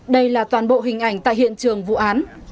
đây là toàn bộ hình ảnh tại hiện trường vụ án